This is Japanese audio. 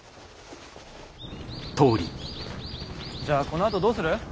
じゃあこのあとどうする？